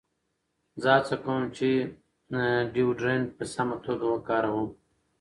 زه هڅه کوم چې ډیوډرنټ په سمه توګه وکاروم.